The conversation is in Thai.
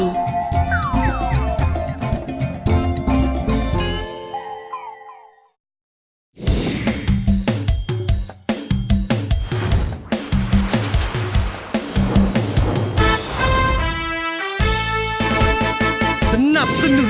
หลอกหน้าอีกหนึ่ง